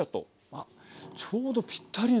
あっちょうどぴったりの。